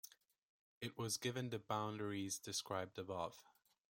It was given the boundaries described above.